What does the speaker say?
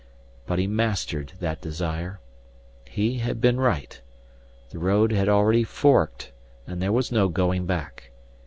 But he mastered that desire. He had been right. The road had already forked and there was no going back.